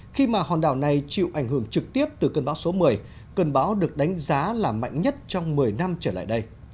khi mà hòn đảo này chịu ảnh hưởng trực tiếp từ cơn bão số một mươi cơn bão được đánh giá là mạnh nhất trong một mươi năm trở lại đây